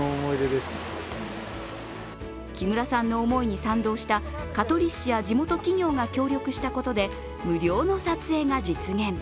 木村さんの思いに賛同した香取市や地元企業が協力したことで無料の撮影が実現。